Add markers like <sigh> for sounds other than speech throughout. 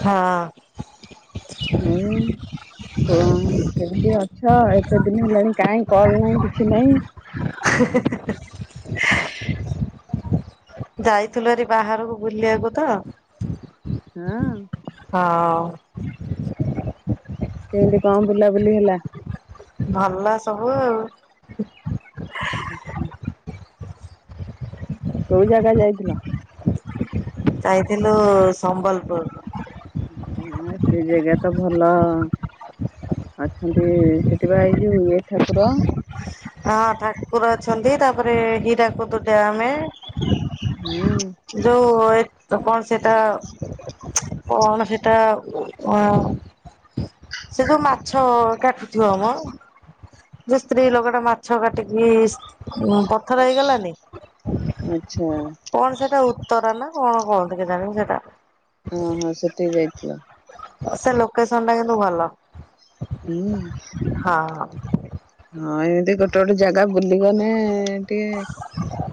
ହଁ। ହୁଁ। କଣ କେମିତି ଅଛ ଏତେ ଦିନ ହେଲାଣି କାଇଁ କଲ୍ ନାହିଁ କିଛି ନାହିଁ। <unintelligible> ଯାଇଥିଲୁରେ ବାହାରକୁ ବୁଲିବାକୁ ତ। ହୁ। ହଁ। କିଇତି କଣ ବୁଲାବୁଲି ହେଲା? ଭଲ ସବୁ ଆଉ। <unintelligible> କୋଉ ଜାଗା ଯାଇଥିଲ? ଯାଇଥିଲୁ ସମ୍ବଲପୁର। ସେ ଜାଗା ତ ଭଲ। ଅଛନ୍ତି ସେଇଠି ବା ଏଇ ଯୋଉ ଏ ଠାକୁର। ହଁ ଠାକୁର ଅଛନ୍ତି ତାପରେ ହୀରାକୁଦ ଡ୍ୟାମେ। ହୁଁ। ଯୋଉ କଣ ସେଇଟା? କଣ ସେଟା ଅ ସେ ଯୋଉ ମାଛ କାଟୁଥିବ ମ ଯୋଉ ସ୍ତ୍ରୀ ଲୋକଟା ମାଛ ମାଛ କାଟିକି ଉ ପଥର ହେଇଗଲାନି। ଆଛା। କଣ ସେଟା ଉତ୍ତରା ନା କଣ କହନ୍ତି କେଜାଣି ସେଟା? ଓଁ ହଁ ସେଠିକି ଯାଇଥିଲ। ସେ ଲୋକେସନ ଟା କିନ୍ତୁ ଭଲ। ହୁଁ। ହଁ। ହଁ ଏମିତି ଗୋଟେ ଗୋଟେ ଜାଗା ବୁଲିଗଲେ ଟିକେ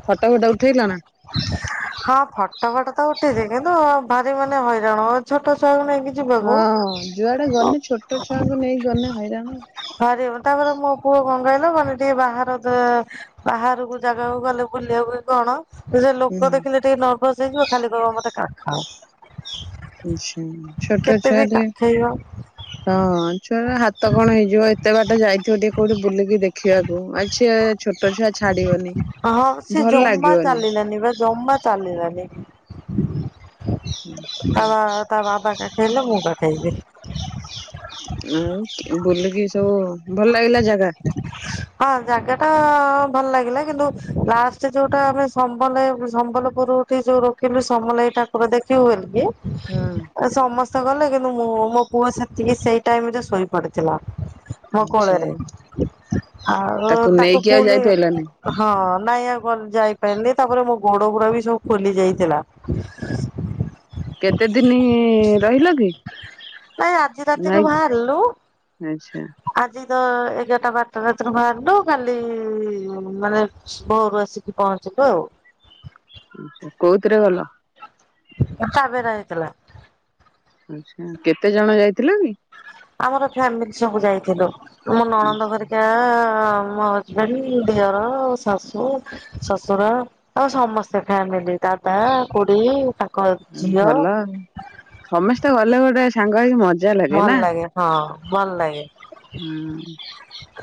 ଫଟୋ ଫଟ ଉଠେଇ ଥିଲ ନା? <inaudible> ହଁ ଫଟୋ ଫାଟ ତ ଉଠିଛି କିନ୍ତୁ ଭାରି ମାନେ ହଇରାଣ ଛୋଟ ଛୁଆଙ୍କୁ ନେଇକି ଯିବାକୁ ହଁ ଯୁଆଡେ ଗଲେ ଛୋଟ ଛୁଆଙ୍କୁ ନେଇକି ଗଲେେ ହଇରାଣ। ହରେ ତାପରେ ମୋ ପୁଅ କଣ କହିଲ ମାନେ ଟିକେ ବାହାର ବାହାରକୁ ଜାଗାକୁ ଗଲେ ବୁଲିବାକୁ କଣ? ସେ ହୁଁ ଲୋକ ଦେଖିଲେ ଟିକେ ନର୍ଭସ ହେଇଯିବ ଖାଲି କ ମତେ କାଖାଅ। ଆଛା କେତେ ଛୋଟଛୁଆ ବି ଟିକେ। କାଖେଇବ ହଁ ଛୁଆ ହାତ କଣ ହେଇଯିବ ଏତେ ବାଟ ଯାଇଥିବ ଟିକେ କୋଉଠି ବୁଲିକି ଦେଖିବାକୁ ଆଛା ହଁ ସେ ଭଲ ଜମା ଲାଗିବନି। ଚାଲିଲାନି ବା ଜମା ଚାଲିଲାନି। ତା ବା ତା ବାବା କାଖେଇଲେ ମୁଁ କାଖେଇଲି। ଆଉ ବୁଲିକି ସବୁ ଭଲ ଲାଗିଲା ଜାଗା? <inaudible> ହଁ ଜାଗାଟା ଭଲ ଲାଗିଲା କିନ୍ତୁ ଲାଷ୍ଟ ଯୋଉଟା ଆମେ ସମ୍ବଲେ ସମ୍ବଲପୁର ଯୋଉ ରଖିଲୁ ସମଲାଇ ଠାକୁର ଦେଖିବୁ ବୋଲିକି ହୁ। ସମସ୍ତେ ଗଲେ କିନ୍ତୁ ମୁଁ ମୋ ପୁଅ ସେତିକି ସେଇ ଟାଇମରେ ଶୋଇ ପଡିଥିଲା। ମୋ ଆଛା। କୋଳରେ ଆଉ ତାକୁ ଫୁଣି ଯାଇପାରିଲନି? ହଁ ନାଇଁ ଆ ଯାଇପାରିଲି ତାପରେ ମୋ ଗୋଡ ଗୁଡା ବି ସବୁ ଖୋଲି ଯାଇଥିଲା। କେତେ ଦିନ ରହିଲ କି? ନାଇ ଆଜି ରାତିରୁ ନାଇଁ ବାହାରିଲୁ। ଆଚ୍ଛା ଆଜି ତ ଏଗାରଟା ବାରଟା ରାତି ବାହାରିଲୁ କାଲି ମାନେ ଘୋରୁ ଆସିକି ପହଞ୍ଚିବୁ ଆଉ। କୋଉଥିରେ ଗଲ? ତାବେରା ହେଇଥିଲା। କେତେ ଜଣ ଯାଇଥିଲ କି? ଆମର ଫ୍ୟାମିଲି ସବୁ ଯାଇଥିଲୁ ଆମ ନଣନ୍ଦ ଆଚ୍ଛା ଘରିକା ଆଁ ମୋ ହଜବେଣ୍ଡ, ଦିଅର, ଶାଶୁ ଶଶୁର ଆଉ ସମସ୍ତେ ଫ୍ୟାମିଲି ଦାଦା, କୁଡି ତାଙ୍କ ଝିଅ ଭଲ ଆଉ ସମସ୍ତେ ଗଲେ ଗୋଟେ ସାଙ୍ଗ ହେଇକି ମଜା ଲାଗେ ନା? ହଁ ଭଲ ଲାଗେ। ହୁଁ।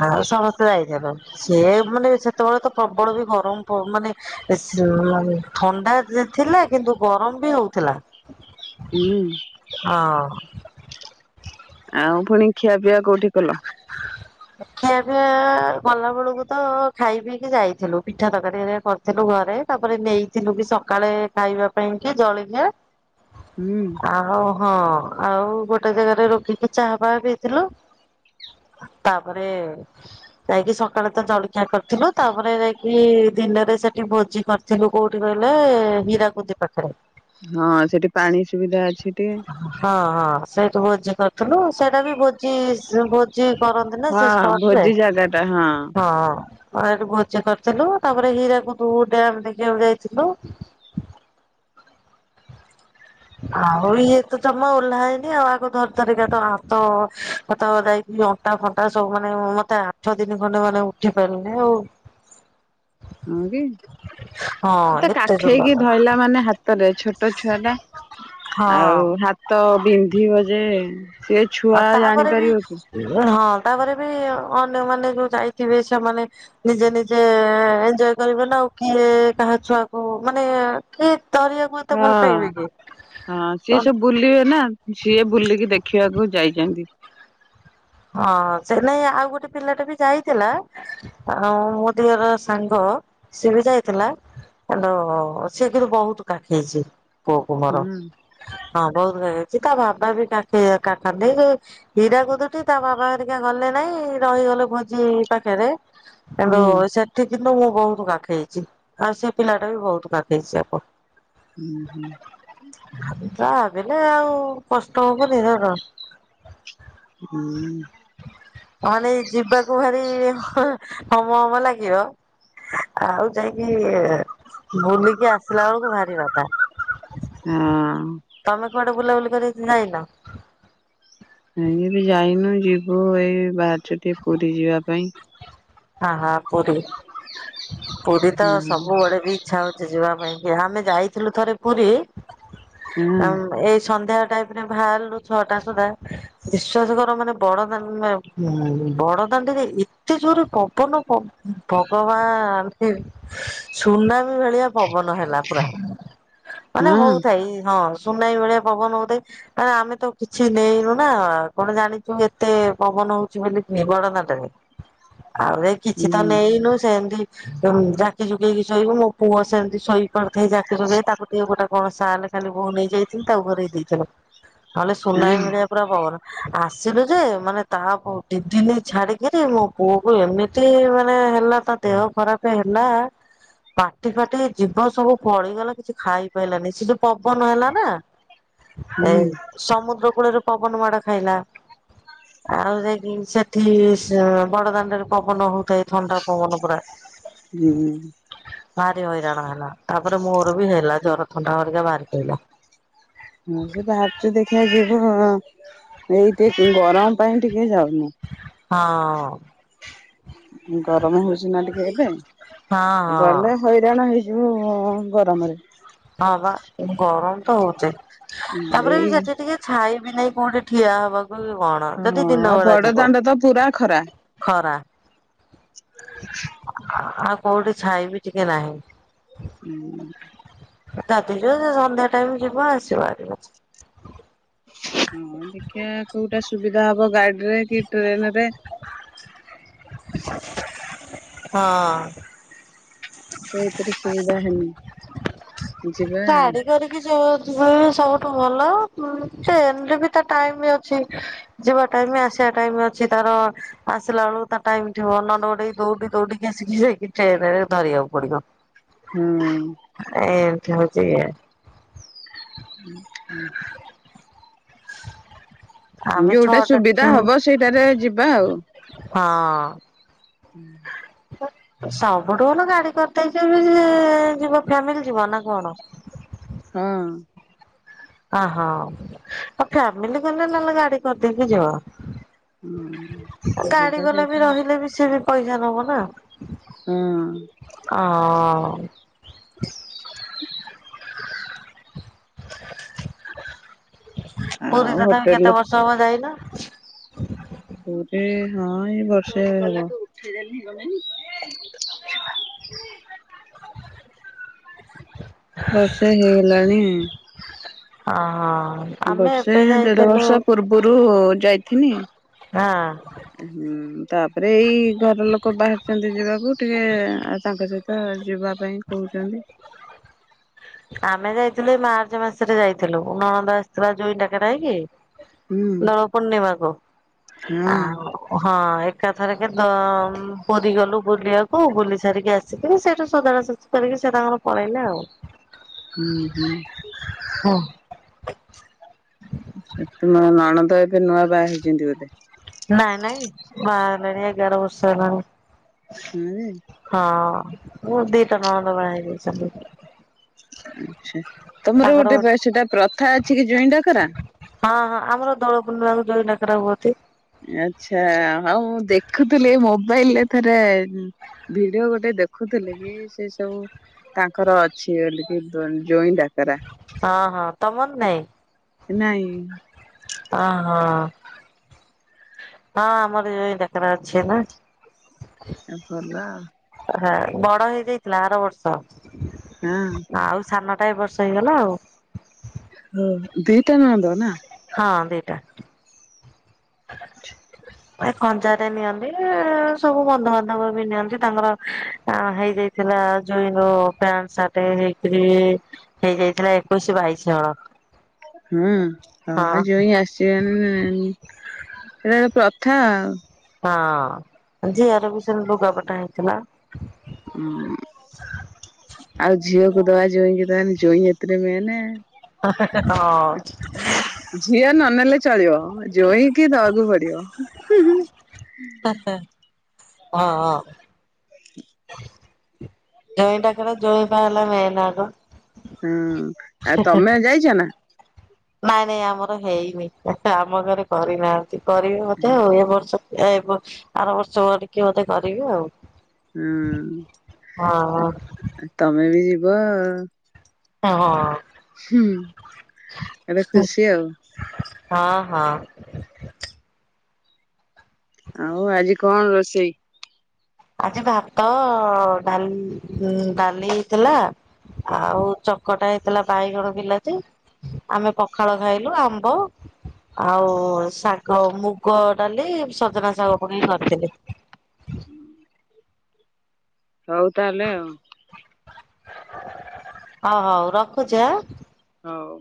ଆଉ ସମସ୍ତେ ଯାଇଥିଲୁ ସିଏ ମାନେ ସେତେବେଳେ ତ ପ୍ରବଳ ବି ଗରମ ପ ମାନେ ଏସି ଥଣ୍ଡା ଥିଲା କିନ୍ତୁ ଗରମ ବି ହଉଥିଲା। ହୁଁ। ହଁ। ଆଉ ଫୁଣି ଖିଆ ପିଆ କୋଉଠି କଲ? <inaudible> ଖିଆପିଆ ଗଲା ବେଳକୁ ତ ଖାଇ ପିଇକି ଯାଇଥିଲୁ ପିଠା ତରକାରୀ ହେରିକା କର ଥିଲୁ ଘରେ ତାପରେ ନେଇଥିଲୁ ବି ସକାଳେ ଖାଇବା ପାଇଁ କି ଜଳଖିଆ। ହୁଁ। ଆହୁ ହଁ ଆଉ ଗୋଟେ ଜାଗାରେ ରୋଗିକି ଚାହା ଫାହା ପିଇଥିଲୁ। ତାପରେ ଯାଇକି ସକାଳେ ତ ଜଳଖିଆ କରିଥିଲୁ ତାପରେ ଯାଇକି ଦିନରେ ସେଠି ଭୋଜି କର ଥିଲୁ କୋଉଠି କହିଲେ ହୀରାକୁୁଦ ପାଖରେ। ହଁ ସେଠି ପାଣି ସୁବିଧା ଅଛି ଟିକେ। ହଁ ହଁ ସେଇଠି ଭୋଜି କରିଥିଲୁ ସେଇଟା ବି ଭୋଜିସ ଭୋ ଜି କରନ୍ତି ନା ସେ ହଁ ସ୍ପଟରେ? ଭୋଜି ଜାଗା ଟା ହଁ ହଁ। ହଁ ହେଠୁ ଭୋଜି କରିଥିଲୁ ତାପରେ ହୀରାକୁଦ ଡ୍ୟାମ ଦେଖିବାକୁ ଯାଇଥିଲୁ। ଆଉ ଇଏ ତ ତ ମୁଁ ଓହ୍ଲା ହେଇନି ଆଉ ଆଗ ଧରି ଧରିକା ତ ହାତ ଫାତ ଯାଇକି ଅଣ୍ଟା ଫଣ୍ଟା ସବୁ ମାନେ ମତେ ଆ ଛଅ ଦିନ ଖଣ୍ଡେ ମାନେ ଉଠି ପାରିନେଇ ଆଉ। ହଁ କି? ହଁ ତ ଏତେ ଜୋର କାଖେଇକି ବାଦାମ ଧଇଲା ମାନେ ହା ହାତରେ ଛୋଟ ଛୁଆ ଟା ହଁ ଆଉ ହାତ ବିନ୍ଧିବ ଯେ ସିଏ ଆଉ ଛୁଆ ତାପରେ ବି ଜାଣିପାରିବ କି? ହଁ ତାପରେ ବି ଅନ୍ୟମାନେ ଯୋଉ ଯାଇଥିବେ ସେମାନେ ନିଜେ ନିଜେ ଏଞ୍ଜୟ କରିବେ ନା ଆଉ କିଏ କାହା ଛୁଆକୁ ମାନେ କିଏ ତରିବାକୁ ହୁଏତ ହଁ ଭଲ ପାଇବି କି ହଁ ସିଏ ସବୁ <unintelligible> ବୁଲିବେ ନା ସିଏ ବୁଲିକି ଦେଖିବାକୁ ଯାଇଛନ୍ତି। ହଁ ସେ ନାଇଁ ଆଉ ଗୋଟେ ପିଲାଟେ ବି ଯାଇଥିଲା। ଆଉ ମୋ ଦିହର ସାଙ୍ଗ ସିଏ ବି ଯାଇଥିଲା। <unintelligible> ସିଏ କିନ୍ତୁ ବହୁତ କାଖେଇଛି ପୁଅକୁୁ ହୁଁ ମୋର। ହୁଁ ହଁ ବହୁତ କାଖେଇଛି ତା ବାବା ବି କାଖେଇବା କଖାନ୍ତି ହୀରାକୁଦଠି ତା ବାବାଘରିକା ଗଲେ ନାଇଁ ରହିଗଲେ ଭୋଜି ପାଖରେ କିନ୍ତୁ ସେ ସେଠି କିନ୍ତୁ ମୁଁ ବହୁତ କାଖେଇଛି ଆଉ ସେ ପିଲାଟା ବି ବହୁତ କାଖେଇଛି ଆକୁ। ହୁଁ ହୁଁ। ଖାଲିତ ଭାବିଲେ ଆଉ କଷ୍ଟ ହବନି। <unintelligible> ହୁଁ। ପାନେ ଯିବାକୁ ଭାରି ହମ ହମ ଲାଗିବ ଆଉ ଯାଇକି ବୁଲିକି ଆସିଲା ବେଳକୁ ଭାରି ବାଧା। ହୁଁ। ତମେ କୁଆଡେ ବୁଲାବୁଲି କରିିଆକୁ ଯାଇନ। ହିମିତି ଯାଇନୁ ଯିବୁ ଏଇ ବାହାରିଛୁ ଟିକେ ପୁରୀ ଯିବା ପାଇଁ। ହହଁ ପୁରୀ ପୁରୀ ତ ସବୁବେଳେ ବି ଇଛା ହଉଛି ଯିବା ପାଇଁ କି ଆମେ ଯାଇଥିଲୁ ଥରେ ପୁରୀ। ହଁ ହଁ ଏଇ ସନ୍ଧ୍ୟା ଟାଇପରେ ବାହାରିଲୁ ଛଅଟା ସୁଦ୍ଧା। ବିଶ୍ଵାସ କର ମାନେ ବଡଦାଣ୍ଡେ ବଡଦାଣ୍ଡେରେ ଏତେ ଜୋର ପବନ ପ ଭଗବାନ ସୁନାମୀ ଭଳିଆ ପବନ ହେଲା। ପା ମାନେ ହଁ ହଉଥାଇ ହଁ ସୁନାଇ ଭଳିଆ ପବନ ହଉଥାଏ। ଆ ଆମେ ତ କିଛି ନେଇନୁ ନା କଣ ଜାଣିଛୁ ଏତେ ପବନ ହଉଛି ବୋଲି କି ବଡଦାଣ୍ଡରେ। ଆଉ ଏ କିଛି ତ ନେଇନୁ ସେମିତି ଜାକି ଜକେଇକି ଶୋଇବୁ ମୋ ପୁଅ ସେମିତି ଶୋଇ କଣ ଖାଇ ଜାକି ଜୋଗେଇ ତାକୁ ଟିକେ ଗୋଟେ କଣ ସାଲ ଖାଲି ବୋଉ ନେଇ ଯାଇଥିଲି ତାକୁ ଘରେଇ ଦେଇଥିଲ। ନହଲେ ସୁନାମି ହୁଁ ଭଳିଆ ପୁରା ପବନ ଆସିଲୁ ଯେ ମାନେ ତାକୁ ଦି ଦିନି ଛାଡିକିରି ମୋ ପୁଅ କୁ ଏମିତି ମାନେ ହେଲା ତା ଦେହ ଖରାପ ହେଲା। ପାଟି ଫାଟି ଯିବ ସବୁ ପଳିଗଲା କିଛି ଖାଇ ପଇଲାନି ସେ ଯୋଉ ପବନ ହେଲା ନା। ହଁ ଏଇ। ସମୁଦ୍ର କୂଳରେ ପବନ ମାଡ ଖାଇଲା ଆଉ ଯାଇକି ସେଠି ସେ ବଡଦାଣ୍ଡରେ ପବନ ହଉଥାଏ ଥଣ୍ଡା ପବନ ପୁରା। ହୁଁ। ଭାରି ହଇରାଣ ହେଲା ତାପରେ ମୋର ବି ହେଲା ଜର ଥଣ୍ଡା ହରିକା ବାହାରି ପଇଲା। ହଁ ସେ ଯାହାରଚି ଦେଖିବା ଯିବୁ ଏଇ ଟେ ଗରମ ପାଇଁ ଟିକେ ଯାଉନ। ହଁ। ଗରମ ହଉଛି ନା ଟିକେ ଏବେ ହଁ ହଁ ଗଲେ ହଇରାଣ ହେଇ ଯଉ ଗରମରେ। ହଁ ବା ଗରମ ତ ହଉଚି ତାପରେ ବି ଏଇ ସେଠି ଟିକେ ଛାଇ ବିି ନାଇଁ କୋଉଠି ଠିଆ ହବାକୁ କଣ ଯଦି ହଁ ଦିନ ଆଉ ବେଳା ବଡ ଯିବ। ଦାଣ୍ଡ ତ ପୁରା ଖରା ଖରା ଆଉ କୋଉଠି ଛାଇ ବିି ଟିକେ ନାହିଁ। ହୁଁ। ରାତି ରେ ସେ ସନ୍ଧ୍ୟା ଟାଇମ ଯିବ ଆସିବ ଆରାମସେ। ହଁ ଦେଖିଆ କୋଉଟା ସୁବିଧା ହବ ଗାଡିରେ କି ଟ୍ରେନ ରେ। ହଁ। କଉଥିରେ ସୁବିଧା ହେନେ ଯିବା ଆ। ଯୋ <unintelligible> ସବୁଠୁ ଭଲ ଟ୍ରେନ ବି ତା ଟାଇମ ଅଛି। ଯିବା ଟାଇମ ଆସିବା ଟାଇମ ଅଛି ତାର ଆସିଲା ବେଳୁ ତା ଟାଇମ ଥିବ ନଡୋଡେଇ ଦୌଡି ଦୌଡିକି ଆସିକି ଯାଇକି ଟ୍ରେନରେ ଧରିବାକୁ ପଡିବ। ହୁଁ ଏମିତି ହଉଛି ଇଏ। ହୁଁ ହୁଁ ଆମେ ଯୋଉଟା ଛଅଟା ସୁବିଧା ହବ ସେଇଟାରେ ଯିବା ଆଉ। ହଁ। ହୁଁ। ସବୁଠୁ ଭଲ ଗାଡି କରିଦେଇ <unintelligible> ଯିବ ଫ୍ୟାମିଲି ଯିବ ନା କଣ? ହଁ। ଅହ। ଅ ଫ୍ୟାମିଲି ଗଲେ ନହେଲେ ଗାଡି କରିଦେଇକି ଯିବ। ହୁଁ ସୁବିଧା ହେଇଥା ସେ ବି ପଇସା ନବ ନା। ହଁ। ଅଁ। <inaudible> ପୁରୀ ଆଉ ତଥାପି ହୋଟେଲ କେତେ ବର୍ଷ ହବ ଯାଇନ? ପୁରୀ ହଁ ଏଇ ବର୍ଷେ ହବ। <inaudible> ବର୍ଷେ ହେଇଗଲାଣି। ଅହଁ। ବର୍ଷେ ଦେଢ ବର୍ଷ ପୂର୍ବରୁ ଯାଇଥିନି। ହଁ ହୁଁ ତାପରେ ଏଇ ଘର ଲୋକ ବାହାରିଛନ୍ତି ଯିବାକୁ ଟିକେ ଆଉ ତାଙ୍କ ସହିତ ତ ଯିବା ପାଇଁ କହୁଛନ୍ତି। ଆମେ ଯାଇଥିଲୁ ଏଇ ମାର୍ଚ୍ଚ ମାସରେ ଯାଇଥିଲୁ। ନଣନ୍ଦ ଆସିଥିଲା ଜୋଇଁ ଡାକେରା ହେଇକି ହୁଁ ଦୋଳ ପୂର୍ଣ୍ଣିମାକୁ। ହଁ ହଁ ଏକାଥରକେ ଦୋ ପୁରୀ ଗଲୁ ବୁଲିବାକୁ ବୁଲି ସାରିକି ଆସିକି ସେଇଠୁ ସଦାଡା ସଜ ଡି କରିକି ସେ ତାଙ୍କର ପଳେଇଲେ ଆଉ। ହୁଁ ହୁଁ। ହଁ। ସେ <unintelligible> ନଣନ୍ଦ ଏବେ ନୂଆ ବାହା ହେଇଛନ୍ତି ବୋଧେ? ନାଇଁ ନାଇଁ ବାହାହେଲାଣି ଏଗାର ବର୍ଷ ହେଲାଣି। ହୁଁ। ହଁ ମୁ ଦିଟା ନଣନ୍ଦ ବାହା ହେଇଯାଇଛନ୍ତି। ଆଛା। ତମର ଗୋଟେ ପା ସେଟା ପ୍ରଥା ଅଛି କି ଜ୍ୱାଇଁ ଡାକରା? ହଁ ହଁ ଆମର ଦୋଳ ପୂର୍ଣ୍ଣିମାକୁ ଜୋଇଁ ଡାକରା ହୁଅତି। ଆଚ୍ଛା ହଉ ମୁଁ ଦେଖୁଥିଲି ଏଇ ମୋବାଇଲରେ ଥରେ ଭିଡିଓ ଗୋଟେ ଦେଖୁଥିଲି କି ସେ ସବୁ ତାଙ୍କର ଅଛି ବୋଲିକି ଦୋନ୍ ଜୋଇଁ ଡା ହଁ ହଁ ତମନ ନାଇଁ? ନାଇଁ। ଅହଁ ହଁ ଆମର ଜୋଇଁ ଡାକେରା ଅଛି ନା। ଅ ଭଲ। ହ ବଡ ହେଇଯାଇଥିଲା ଆର ବର୍ଷ। ହଁ। ଆଉ ସାନଟା ଏ ବର୍ଷ ହେଇଗଲା ଆଉ। ହ ଦିଟା ନଣନ୍ଦ ନା? ହଁ ଦିଟା। <inaudible> ଏ କନ୍ଜାଟେ ନିଅନ୍ତି ସବୁ ବନ୍ଧୁବାନ୍ଧବ ବି ନିଅନ୍ତି ତାଙ୍କର ହେଇଯାଇ ଥିଲା ଜୋଇଁ <unintelligible> ପ୍ୟାଣ୍ଟ ଶାର୍ଟ ହେଇକିରି ହେଇଯାଇଥିଲା ଏକୋଇଶି ବାଇଶି ହଳ। ହୁଁ ହଁ ଜୋଇଁ ଆସି ଟେନ୍ <unintelligible> ସେଟା ଗୋଟେ ପ୍ରଥା ଆଉ। ହଁ ଝିଅର ବି ସେମି ଲୁଗାପଟା ହେଇଥିଲା। <inaudible> ଆଉ ଝିଅକୁ ଦବା ଜୋଇଁ କି ଦବାନି ଜୋଇଁ ଏଥିରେ ମେନେ। ହଁ ହଁ। ଝିଅ ନନେଲେ ଚଳିବ। ଜୋଇଁକି ଦବାକୁ ପଡ଼ିବ ହୁଁ, ହୁଁ। ହଁ, ହଁ। ଜୋଇଁ ଡାକରା ଜୋଇଁ ପା ହେଲା ମେନ୍ ଆଗ। ହୁଁ ଆଉ ତମେ ଯାଇଛ ନା? ନାଇଁ, ନାଇଁ ଆମର ହେଇନି ଆମ ଘରେ କରିନାହାନ୍ତି କରିବେ ବଧେ ଆଉ ଏ ବର୍ଷ। ଏ ବ ଆର ବର୍ଷ ବଡିକି ମତେ କରିବେ ଆଉ। ହୁଁ ହଁ ତମେ ବି ଯିବ। ହଁ। ହୁଁ ଏବେ ଖୁସି ଆଉ। ହଁ, ହଁ। ଆଉ ଆଜି କଣ ରୋଷେଇ? ଆଜି ଭାତ ଡାଲ୍, ଡାଲି ହେଇଥିଲା। ଆଉ ଚକଟା ହେଇଥିଲା ବାଇଗଣ ବିଲାତି। ଆମେ ପଖାଳ ଖାଇଲୁ ଆମ୍ବ। ଆଉଁ ଶାଗମୁଗ ଡାଲି ସଜନା ଶାଗ ପକେଇ କରିଥିଲି। ହଉ ତାହେଲେ ଆଉ। ଓଁ ହଉ ରଖୁଛି ଆଁ। ହଉ।